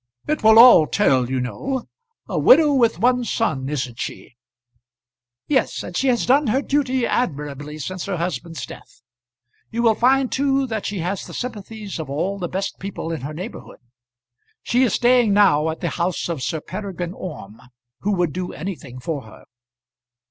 It will all tell, you know. A widow with one son, isn't she?" "Yes, and she has done her duty admirably since her husband's death. You will find too that she has the sympathies of all the best people in her neighbourhood. She is staying now at the house of Sir Peregrine Orme, who would do anything for her."